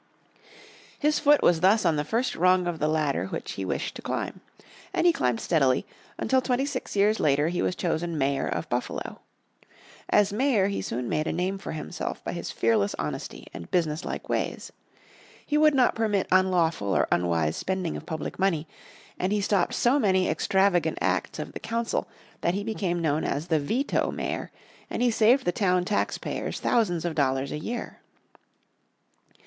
His foot was thus on the first rung of the ladder which he wished to climb. And he climbed steadily, until twenty six years later he was chosen Mayor of Buffalo. As Mayor he soon made a name for himself by his fearless honesty and businesslike ways. He would not permit unlawful or unwise spending of public money, and he stopped so many extravagant acts of the council that he became known as the "Veto Mayor," and he saved the town taxpayers thousands of dollars a year.